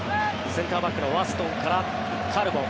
センターバックのワストンからカルボ。